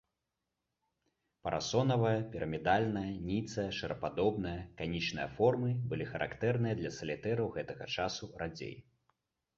Парасонавая, пірамідальная, ніцая, шарападобная, канічная формы былі характэрныя для салітэраў гэтага часу радзей.